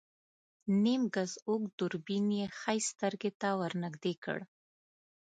نيم ګز اوږد دوربين يې ښی سترګې ته ور نږدې کړ.